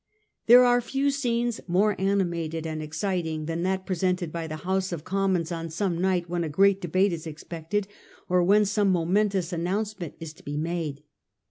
There are few scenes more animated and exciting than that presented by the House of Com m ons on some night when a great debate is expected, or when some momentous announcement is to be made.